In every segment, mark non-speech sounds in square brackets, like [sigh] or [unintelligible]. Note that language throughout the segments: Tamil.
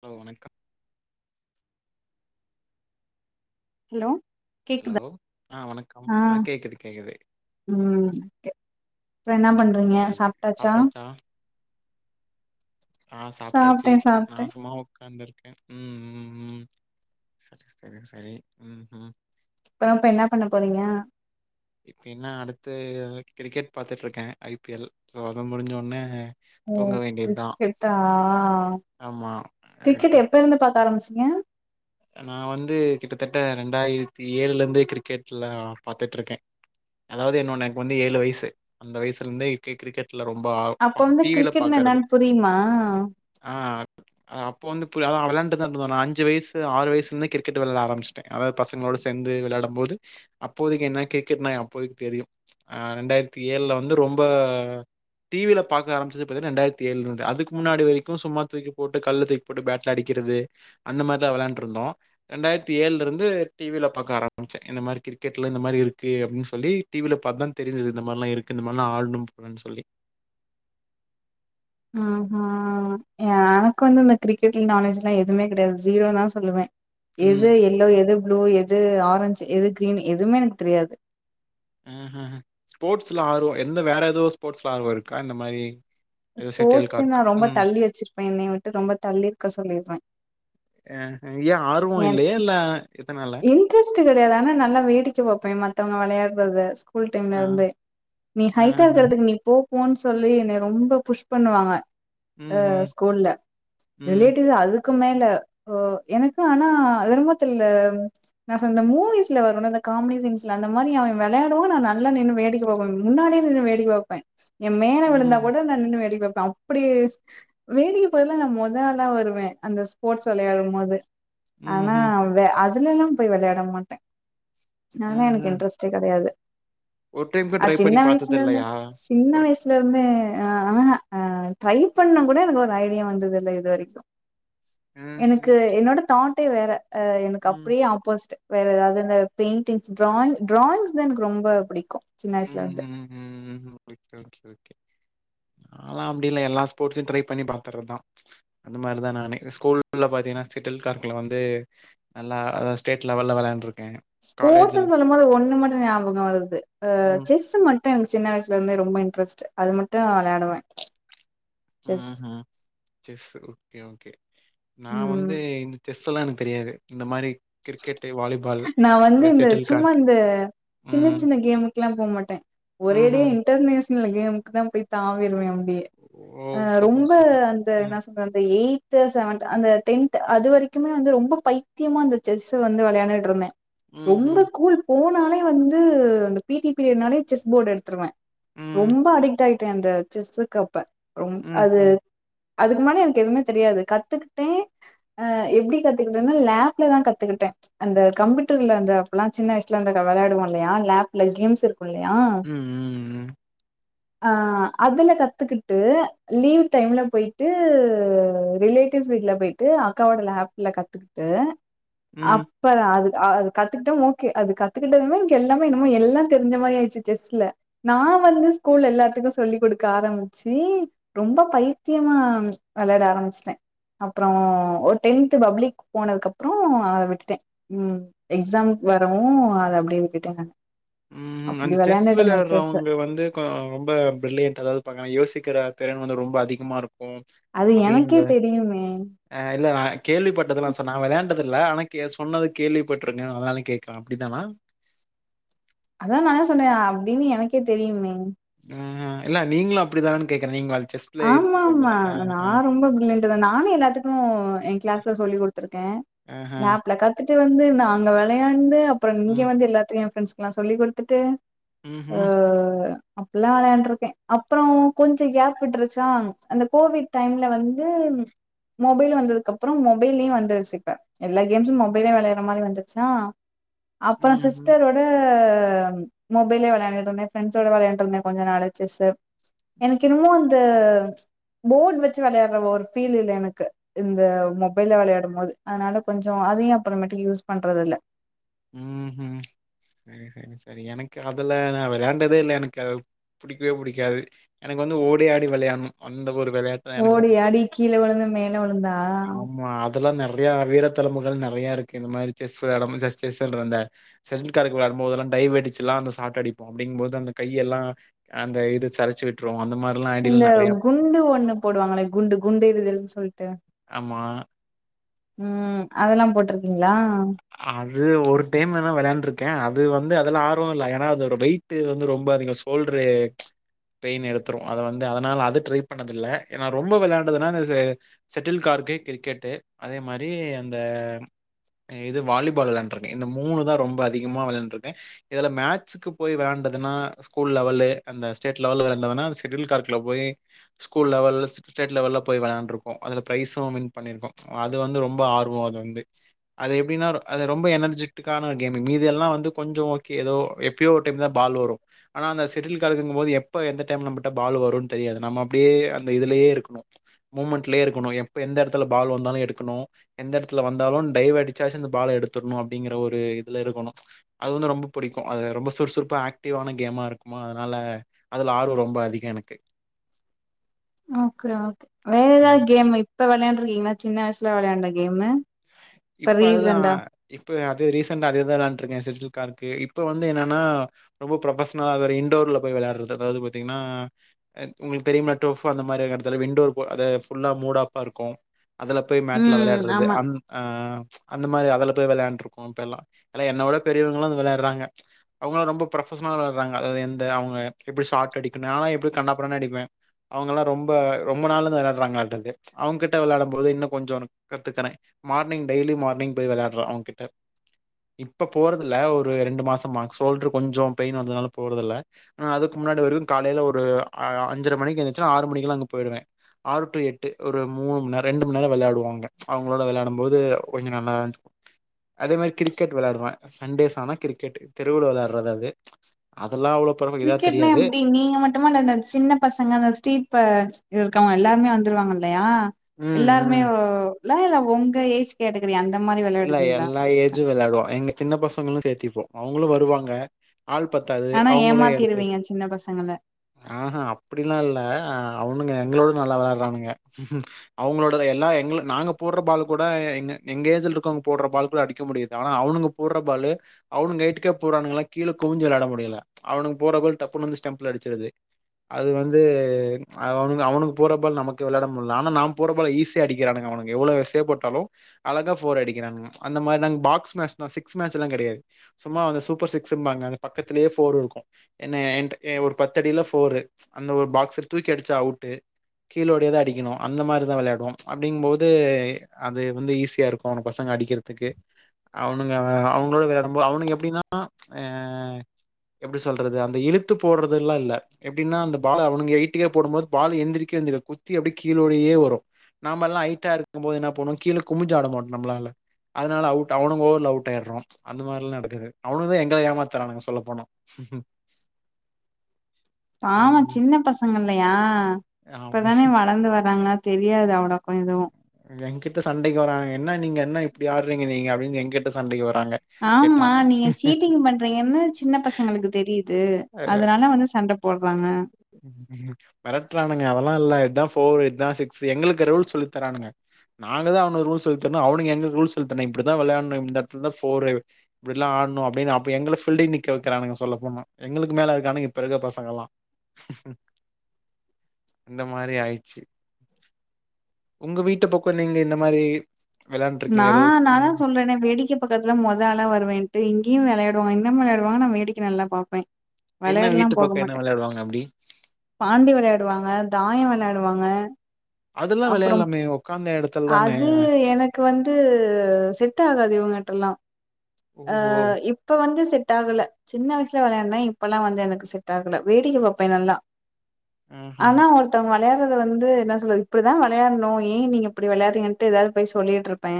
ஹலோ வணக்கம் ஹலோ ஹலோ கேக்குதா ஆ வணக்கம் ஆ கேக்குது கேக்குது அப்புறோ என்ன பண்றீங்க ஓகே ஓகே சாப்ட்டாச்சா ஆ சாப்டாச்சு சாப்ட்டே நா சாப்ட்டே சும்மா உட்காந்துரு ம் ம் ம் சரி சரி சரி ம் ம் பாப்பே என்ன பண்ண போறீங்க இப்ப என்ன அடுத்து கிரிக்கெட் பாத்துட்டு இருக்கே ஐ பி எல் சோ அது முடிஞ்ச ஒடனே ஓ கிரிக்கெட்டா ஆமா கிரிக்கெட் எப்ப இருந்து பாக்க ஆரம்பிச்ச ஏ நா வந்து கிட்டதட்ட ரெண்டாயிரத்தி ஏழுல இருந்து கிரிக்கெட்லா பாத்துட்டு இருக்கே அதாவது என்னொனக்கு வந்து ஏழு வயசு அந்த வயசுல இருந்தே கிரிக்கெட் வீட்ல ரொம்ப அப்ப வந்து டிவில கிரிக்கெட்னா பாக்கறது என்னன்னு புரியுமா ஆ அப்போ வந்து புரி அதா வெளாண்டுதா இருந்தோ நா அஞ்சு வயஸ் ஆறு வயசுல இருந்தே கிரிக்கெட் வெளாட ஆரம்பிச்சுடே அதாவது பசங்களோட சேந்து விளையாடம் போது அப்போதைக்கு என்ன கிரிக்கெட் மேட்ச் அப்போதைக் தெரியு ஆ ரெண்டாயிரத்தி ஏழுல வந்து ரொம்ப டீவில பாக்க ஆரம்பிச்சது பாத்தின ரெண்டாயிரத்து ஏழுல இருந்து அதுக்கு முன்னாடி வரைக்கு சும்மா தூக்கி போட்டு கள்ள தூக்கி போட்டு பேட் அடிக்கற றுது அந்த மார் நல்லா வெளையாண்டு இருந்தோ இரண்டாயிரத்தி ஏழுல இருந்து டிவில பார்க்க ஆரம்பிச்சே இந்த மாரி கிரிக்கெட்ல இந்த மாரி இருக்கு எப்டின்னு சொல்லி டிவில பாத்துதா தெரிஞ்சது இந்த மார்லாருக்கு இந்த மார்லா ஆடனம்னு போலனு சொல்லி [inaudible] ஆஹா எனக்கு வந்து இந்த கிரிக்கெட்ல நாலேஜ்லா எதுமே கிடையாது ஜீரோ தா சொல்லுவே ம். எது எல்லோ எது ப்ளூ எது ஆரஞ் எது கிரீன் எதுமே எனக்கு தெரியாது அஹ ஹ ஸ்போர்ட்ஸ்ல ஆர்வோ எந்த வேற எதுவு ஸ்போர்ட்ஸ்ல ஆர்வம் இருக்கா இந்த மாரி ஏதோ ஷட்டில் ஸ்போர்ட்ஸ்சே கார்க். நான் ரொம்ப ம். தள்ளி வச்சிருப்பே என்னய விட்டு ரொம்ப தள்ளிருக்க சொல்லிருவே அஹ் ஏ ஆர்வோ ஏன்னா இல்லயா இல்ல எதனால? இன்ட்ரெஸ்ட் கிடையாது ஆனா நல்லா வேடிக்கை பாப்பே மத்தவங்க வெளையாடுறத ஸ்கூல் டைம்ல ஆ. இருந்து நீ ஹைட்டா ஆஹ. இருக்கறதுக்கு நீ போ போன்னு சொல்லி என்னய ரொம்ப புஷ் பண்ணுவாங்க ஆ ம்ஹ்ம். ஸ்கூல்ல ம். ரிலேட்டிவ் அதுக் குமேல ஓ எனக்கு ஆனா அது என்னமோ தெர்ல நா சொன்ன மூவிஸ்ல வருமுல காமெடி சீன்ஸ்ல அந்த மாரி அவ வெளாடுவ நா நல்ல நின்னு வேடிக்க பாப்பே முன்னாடி நின்னு வேடிக் பாப்பே எ மேல விழுந்தா ம். கூட நா நின்னு வேடிக் பாப் அப்டி வேடிக்க பாக்கல நா மொதஆலாவருவே அந்த ஸ்போர்ட்ஸ் விளையாடும் போது ஆனா ம்ஹ்ம். அதுல எல்லா போய் விளையாட மாட்டே நான் தா எனக்கு ம்ஹ்ம். இன்ட்ரெஸ்ட்டே கிடயாது ஒரு டைம் கூட அ ட்ரை சின்ன பண்ணி பார்த்தது வயசுலருந்தே இல்லையா? சின்ன ஒரு வயசுலருந்தே ஆஹ் ஆ ட்ரை பண்ணம் கூட எனக்கு ஒரு ஐடியா வந்தது இல்ல இது வரைக்கு எனக்கு ம்ஹ்ம். என்னோட தாட்டே வேற எனக்கு அப் ம். போஸ்ட் வேற ஏதாதுருந்தா பெயிண்ட்டிங்ஸ் டிராயிங் டிராயிங்ஸ் தா எனக்கு ரொம்ப பிடிக்கு ம் ம் ம் ம் ஓகே ஓகே ஓகே நாலா அப்டி இல்ல எல்லா ஸ்போர்ட்ஸும் ட்ரை பண்ணி பாத்துர்றதா அந்த மார்தா நானு ஸ்கூல்ல பாத்திங்கனா செட்டில் கார்க்ல வந்து நல்லா அதாவது ஸ்டேட் லெவல்ல விளாண்ருக் ஸ்போர்ட்ஸ்ன்னு சொல்லும் போது ஒண்ணு மட்டு ஞாபகம் வருது ஆ ம். செஸ் மட் ட்டு எனக்கு சின்ன வயசுல இருந்தே ரொம்ப இன்ட்ரஸ்ட் அது மட்டு விளாடுவே ம் ஹும் செஸ் ஓகே ஓகே நா ம் வந்து இந்த செஸ் சுள்ளானுக் தெரியாது இந்த மாரி கிரிக்கெட், வாலிபால், நா வந்து இந்த ஷட்டில் சும்மா கார்க். இந்த சின்ன ம். சின்ன கேமுக்குல்லா போ மாட்டேன் ஒரேடியா ம்ஹ்ம். இன்டர்நேஷனல் க்கு தா போய் தாவிருவே அப்டியே ஓ! அ சூப்பர், ரொம்ப சூப்பர். அந்த ம். என்ன சொல்ற அந்த எய்த் க்த் செவன்த் அந்த டென்த் அது வரைக்குமே வந்து ரொம்ப பைத்தியமா அந்த செஸ்ஸ வந்து வெளையாண்டுட்ருந்தே ம், ரொம்ப ம். ஸ்கூல் போனாலே வந்து அந்த பிடி பீரியட்னாலே செஸ் போர்ட எடுத்துருவே ம், ரொம்ப அடிக்ட் ஆயிட்டே அந்த செஸ்ஸுக்கு அப்ப ரொம் ம். அது ம், அதுக்கு முன்னாடி எனக்கு எதுவுமே தெரியாது கத்துக்ட்டே அ எப்டி கத்துக்கிட்டன்னா லேப்லதா கத் க்கிட்டே அந்த கம்யூட்டர்ல அந்த அப்பல்லா சின்ன வயசுல அந்த வெளையாவோ இல்லயா லேப்ல கேம்ஸ் இரு வல்லையா ம், ம். ஆ அதுல கத்துக்குட்டு லீவ் டைம்ல போயிட்டு ரிலேட் ட்டிஸ் வீட்ல போயிட்டு அக்காவோட லேப்ல கத்துக்குட்டு ம். அப்பறோ அது ஆ அது கத்துக்ட்டோ ஓகே அது கத்துக்கிட்டதுமே எனக்கு எல்லாமே என்னமோ எல்லாந் தெரிஞ்ச மாரி ஆயிடுச்சு செஸ்ல நா வந்து ஸ்கூல் எல்லாத்துக்கு சொல்லிக் குடுக்க ஆரம்பிச்சு ரொம்ப பைத்தியமா வெளையாட ஆரம்பிச்ட்டே அப்றோ ஒரு டென்த் பப்ளிக் போனதுக்கப்றோ ஆ அத விட்டுட்டே ம் எக்ஸாம் வரவு அத அப்டியே விட்டுட்டே தான ம் ஹும் அந்த செஸ் வெளையாட்றவங்க வந்து கொ ரொம்ப பிரில்லியன்ட்டா அதாது இருப்பாங்க ஆனா யோசிக்கிற திறன் வந்து ரொம்ப அதிகமா இருக்கு அது எனக்கே அப்படிங்ற தெரியுமே அ இல்ல நானே கேள்விப்பட்டதெல்லாம் சொன்னா கேள்வி பட்டதெல்லா சொன்னே நா வெளாண்டது இல்ல ஆனா கே சொன்னது கேள்விப்பட்ருக்கே அதுனால கேக்குறே அப்டி தானா அதா நானே சொன்னேயா அப்டின்னு எனக்கே தெரியுமே ம் ம் இல்ல நீங்களு அப்டி தானனு கேக்குறே நீங்க வல் ஆமாம்மா நா ரொம்ப பிரில்லியன்ட் தா நானு எல்லாத்துக்கு ஏ க்ளாஸ்ல சொல்லி குடுத்துருக்கே ஆஹா. லாப்ல கத்துட் ட்டு வந்து நாங்க வெளையாண்டு அப்பறோ ம். இங்கயு வந்து எல்லாத்தையு ஏ ஃப்ரெண்ட்ஸ் கிட்லா சொல்லி குடுத்துட்டு ம் ஹும் அப்புல்லா வெளையாண்ருக்கே அப்பறோ கொஞ்ச கேப் விட்ரு சாங் அந்த கோவிட் டைம்ல வந்து மொபைல் வந்ததுக்கப்றோ மொபைல்லயு வந்துருச்சு இப்ப எல்லா கேம்ஸும் மொபைலே வெளையாடுற மாரி வந்துருச்சா அப்பறோ ம்ஹ்ம். சிஸ்டரோட க மொபைல்லே வெளையாண்டுட்ருந்தே ஃப்ரண்ட்ஸோட வெளையாண்ட்ருந்தே கொஞ்ச நாளு ஜெஸ்சு எனக்கு என்னமோ அந் ந்த போர்ட் வச்சு வெளாயாடுற ஒரு ஃபீல் இல்ல எனக்கு இந்த மொபைல்ல வெளையாடும் போது அதுனால கொஞ்சோ அதையு அப்பறமேட்டுக்கு யூஸ் பண்றது இல்ல ம் ஹூம் செரி சரி எனக்கு அதல்லா வெளாண்டதே இல்ல எனக்கு அத புடிக்கவே புடிக்காது எனக்கு வந்து ஓடியாடி வெளையாடணு அந்த ஒரு விளையாட்டு தான் எனக்கு ஓடி ரொம்ப ஆடி கீழ விழுந்து மேல விழுந்தா அதல்லா நெறையா வீர தழும்புகள் நெறையாருக்கு இந்த மாரி செஸ் வெளாடும் போது ஜெஸ்ட் [unintelligible] செட்டில்கார்க்கு வெளாடும் போதலா டைவடிச்சில்லா அந்த சாட்டடிப்போம் அப்டிங்கும் போது அந்த கையெல்லா அந்த இது சருச்சு விட்ரு இந்த குண்டு ஒண்ணு போடுவாங்களே குண்டு குண்டு எறிதல்னு சொல்ட்டு ஆமா ம் அதல்லா போட்ருக்கீங்ளா அது ஒரு டைம் வேணா வெளையாண் ட்ருக்கேன் அது வந்து அதெல்லா ஆர்வோ இல்ல ஏன்னா அதோட வெயிட் வந்து ரொம்ப அதிகோ சோல்ட்ரு பெயின் எடுத்துரு அதவந்து அதனால அது ட்ரை பண்ணதுல்ல ஏனா ரொம்ப வெளையாண்டதுனா அந்த செ செட்டில் கார்க் க்கு கிரிக்கெட்டு அதே மாரி அந்த இது வாலிபால் வெளையாண்டுருக்கே இந்த மூணு தா ரொம்ப அதிகமா வெளாயாண்ருக்கே இதுல மேட்சுக்கு போய் வெளையாண்டதுன் னா ஸ்கூல் லெவலு அந்த ஸ்டேட் லெவலு வெல வேன்னா செட்டில் கார்க்ல போய் ஸ்கூல் லெவல் ஸ்டே ஸ்டேட் லெவல்ல போய் வெளாண்ட்ருக்கோ அதுல ப்ரைசும் வின் பண்ணிருக்கோம் அது வந்து ரொம்ப ஆர்வோ அது வந்து அது எப்டின்னா அது ரொம்ப எனர்ஜிட்டிக்கான ஒரு கேமு மீதியெல்லா வந்து கொஞ்சோ ஓகே எதோ எப்பயோ ஒரு டைம் தா பால் வரு ஆனா அந்த செட்டில்கார்க்குங்போது எப்ப எந்த டைம் நம்முட்ட பால் வருன் தெரியாது நம்ம அப்டியே அந்த இதுலயே இருக்கணு மூமெண்ட்லயே இருக்கணு எப்ப எந்தெடத்துல பால் வந்தாலு எடுக்கணு எந்த எடத்துல வந்தாலு டைவ்வடி சாச்சி அந்த பால எடுத்தர்ணு அப்டிங்கற ஒரு இதுலருக்கணு அது வந்து ரொம்ப புடிக்கு அது ரொம்ப சுறுசுறுப்பா ஆக்டிவா ன கேமாருக்குமா அதனால அதுல ஆர்வோ ரொம்போ அதிக எனக்கு ஓகே ஓகே வேற எதாவ்து கேமு இப்ப வெளையாண்டுருக்கீங்ளா சின்ன வய்ஸ்ல வெளையாண்ட கேமு இப்ப அதுதா இப்ப அது ரீசண்டா அதேதா வெளையாண்ட்ருக்கே செட்டில்கார்க்கு இப்ப வந்து என்னனா ரொம்போ புரோபஷன்லா அதுவேற இண்டோர் குள்ள போய் வெளையாட்றது அதாவ்து பாத்தீங்ன்னா அ உங்களுக் தெரியுமா டோஃபு அந்த மாரியான எடத்துல விண்டோர் போ அத ஃபுல்லா மூடாஃப்பா இருக்கு அதுல போய் மேட்ல ம் வெளையாட்றது ஆமா அந் ஆ அந்த மாரி அதல போய் வெளையாண்ட்ருக்கோ அப்பெல்லா எல்லா என்னவிட பெரியவங்கள்லா இத வெளையாட்றாங்க அவங்கள்லா ரொம்ப ப்ரொபஷனலா வெளாட்றாங்க அதாது எந்த அவுங்க எப்டி ஷாட்டடிக்கணு நாலா எப்டியு கன்னா பின்னானு அடிப்பே அவங்கல்லா ரொம்ப ரொம்ப நாள்லருந்து வெளையாட்றாங்களாட்டுக்து அவுங்கிட்ட வெளையாடும் போது இன்னு கொஞ்சோனு கத்துக்கறே மார்னிங் டெய்லி மார்னிங் போய் விளையாட்றோ அவுங்கிட்ட இப்ப போறதில்ல ஒரு ரெண்டு மாசம்மா சோல்ட்ரு கொஞ்சோ பெயின் வந்ததுனால போறதில்ல ஆனா அதுக்கு முன்னாடி வரைக்கு காலைல ஒரு அ அஞ்சர மணிக்கு எந்துச்சுன்னா ஆறு மணிக்லா அங்க போயிடுவே ஆறு டூ எட்டு ஒரு மூனு மண் நேர ரெண்டு மண் நேரோ வெளையாடுவாங்க அவுங்களோட வெளையாட ம்போது கொஞ்ச [unintelligible] அதே மாரி கிரிக்கெட் வெளையாடுவே சன்டேஸ்சானா கிரிக்கெட் தெருவில வெளையாட்றது அது அதெல்லாம் அவ்வளோ பரவ இதா கிரிக்கெட்னா தெரியாது. எப்டி நீங்க மட்டுமா இல்ல அந்த சின்ன பசங்க அந்த ஸ்ட்ரீட் ப ஸ் இருக்கவங் எல்லாருமே வந் வந்துருவாங்கல்லையா ம், எல்லாருமே ம். வ் வா ங்களா இல்ல உங்க ஏஜ் கேட்டகிரி அந் இல்ல எல்லா ஏஜு வெளையாடுவோ எங்க சின்ன பசங்களு சேத்திப்போ அவங்களு வருவாங்க ஆள் பத்தாது ஆனா அவுங்களு எடுத்து வச்சு ஏமாத்திருவீங்க சின்ன பசங்கள ஆ ஆ அப்டில்லா இல்ல அவனுங்க எங்களவுட நல்லா வெளையாட்றானுங்க அவங்களோட எல்லா எங்லு நாங்க போட்ற பாலு கூட எங்க எங்க ஏஜுல இருக்கவங்க போட்ற பால்கூட அடிக்க முடியாது ஆன அவுனுங்க போட்ற பாலு அவனுங்க ஹயிட்டுக்கே போட்றானுங்ளா கீழே குவுஞ்சு வெளயாட முடி யில அவனுங் போட்ற கோல் டப்புன் வந்து ஸ்டெம்பில அடிச்சிருது அது வந்து அவனுக அவனுங்க போட்ற பால் நமக்கு வெளாட முட்ல ஆனா நாம் போட்ற பால் ஈஸியா அடிக்கிறானுக அவனுங்க எவ்ளோ வெசயாப்போட்டாலு அழகா ஃபோர் அடிக்கிறானுக அந்த மாரி நாங் பாக்ஸ் மேஜ் தா சிக்ஸ்மேஜ் எல்லா கெடயாது சும்மா அந்த சூப்பர் சிக்ஸ்ம்பாங்க அந்த பக்கத் திலியே போர்ருருக்கு என்னைய என்ட்ட எ ஒரு பத்தடியில ஃபோரு அந்த ஒரு பாக்ஸ தூக்கி அடிச்சா அவுட்டு கீழோடியே தா அடிக்கணு அந்த மாரிதா வெளையாடுவோ அப்டிங் போது அது வந்து ஈஸியாருக் கோனு பசங்க அடிக்கிறதுக்கு அவனுங்க அவுங்களோட வெளையாடம்போது அவனுக எப்டின்னா ஆ எப்டி சொல்றது அந்த இழுத்து போட்றதுல்லா இல்ல எப்டினா அந்த பால அவனு எய்டியா போடும்போது பாலு எந்திரிக்கவே எந்திரிக்காது குத்தி அப்டி கீழோடையே வரு நாம எல்லா ஐட்டா இருக்கு போது என்னா பண்ணுவோ கீழே குமுஞ்சாட மாட் நம்ளால அதனால அவுட் அவனுங்க ஓவவர்ல அவுட் ஆயிட்றோ அந்த மாரில்லா நடக்குது அவனுங்க தா எங்கள ஏமாத்துறானுங்க சொல்ல போன [inaudible] பாவோ சின்ன பசங்கல்லையா ஆமா இப்பதானே வளந்து வர்றாங்க தெரியாது அவ்ளாக்கு எதுவு எங்கிட்ட சண்டைக்கு வராங்க என்ன நீங்க என்ன இப்டி ஆட்றீங்க நீங்க அப்டின் எங்கிட்ட சண்டைக்கு வரா ஆமா நீங்க சீட்டிங் பண்றீங்கன்னு சின்ன பசங்களுக்கு தெரியி து அதனால வந்து சண்ட போட் மெரட்றானுங்க அதெல்லா இல்ல இத் தா ஃபோர் இத் தா சிக்ஸு எங்களுக்கு ரூல்ஸ் சொல்லி தரானுங்க நாங்க தா அவனுக ரூல்ஸ் சொல்லித் தர்ணு அவனுக எங்ளுக் ரூல்ஸ் சொல்லித்தர்ணு இப்டி தா வெளையாட்னு இந்தெடத்ல தா ஃபோரு இப்டில்லா ஆட்ணு அப்டின் அப்ப எங்கள ஃபில்டிங் நிக்க வெக்கிறனுக சொல்ல போன எங்களுக்கு மேல இருக்கானுங்க இப்ப இருக்ற பசங்கல்லா இந்த மாரி ஆயிட்ச்சு உங்க வீட்டு பக்கோ நீங்க இந்த மாரி நா விளையாண்டுருக்கீங்களா? ஏதோ நா தா ம். சொல்றனே வேடிக்க பக்கர்துல மொத ஆளா வருவேன்ட்டு இங்கயு வெளையாட் ருவோ இன்னமு இந்த மாரி ஆடுவாங்க நா வேடிக்கு நல்லா பாப்பே என்ன வெளையாட்லா வீட்டு போக பக்கம் என்ன மாட்டே விளையாடுவாங்க அப்படி? பாண்டி வெளையாடுவாங்க தாயொ வெள்ளயாட் டுவாங்க அதுலா வெளையட்லாமே ஒக்காந் அது எனக்கு வந்து செட் ஆகாது இவுங்ட்டலா அ ஓஹோ! இப்ப வந்து செட் டாகுல சின்ன வய்சுல வெளயான்ட இப்பல்லா வந்து எனக்கு செட் ஆகல வேடிக்க வப்பே நல்லா ம்ஹ்ம். அனா ஒருத்தங்க வெளயாட்றத வந்து என்னா சொல்றது இப்புடிதா வெளையாடணு ஏன் நீங்க இப்புடி வெளையாறிங்கன்ட்டு ஏதாது போய் சொல்லிட்ருப்பே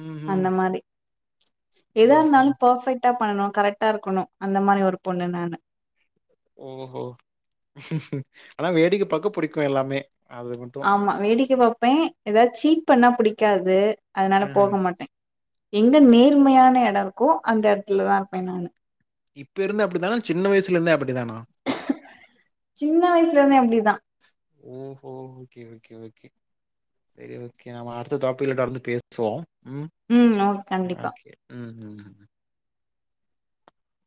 ம் ம் அந்த மாரி எதா இருந்தாலு போஃபெக்டா பண்ணனு கரெக்டா இருக்கணு அந்த மாரி ஒரு பொண்ணு நானு ஓஹோ அனா வேடிக்க பாக்க புடிக்கு எல்லாமே அது மட்டும். ஆமா வேடிக்க பாப்பே ஏதாது சீட் பண்ணா புடிக்காது அதுனால ம்ஹ்ம். போக மாட்டே எங்க நேர்மயான எட இருக்கோ அந்த எட்த்துலதா இர்ப்பே நானு இப்ப இருந்து அப்புடிதானா சின்ன வய்சுலேந்தே அப்படிதானா ன்ன வய்ஸ்லேந்தே அப்டிதா ஓ ஓகே ஓகே ஓகே செரி ஓகே நாம அடுத்த தாப்பிக்ல டொடந்து பேஸ்வோ ம் ஒ கண்டிப்பா ம், ம்